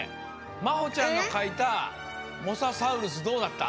まほちゃんのかいたモササウルスどうだった？